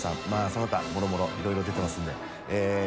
泙その他もろもろいろいろ出てますので。